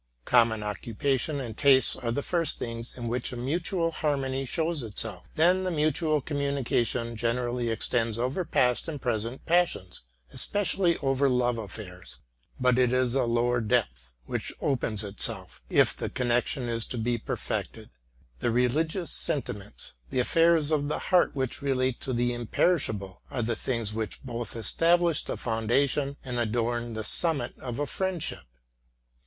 Common occupation and tastes are the first things in which a mutual harmony shows itself ; then the mutual communication generally extends over past and present passions, especially over love affairs : but it is a lower depth which opens itself, if the connection is to be perfected ; the religious sentiments, the affairs of the heart which relate to the imperishable, are the things which both establish the foundation and adorn the summit of a friend ship.